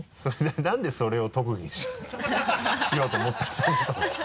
何でそれを特技にしようと思ったそもそも